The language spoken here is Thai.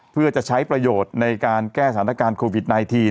เพื่อจะใช้ประโยชน์ในการแก้สถานการณ์โควิด๑๙